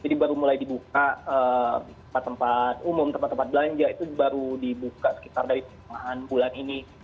jadi baru mulai dibuka tempat tempat umum tempat tempat belanja itu baru dibuka sekitar dari setengah bulan ini